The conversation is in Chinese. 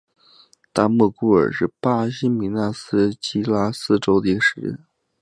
大莫古尔是巴西米纳斯吉拉斯州的一个市镇。